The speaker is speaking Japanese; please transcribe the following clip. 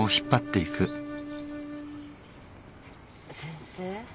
先生？